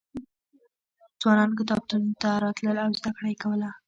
ځوانان کتابتون ته راتلل او زده کړه یې کوله.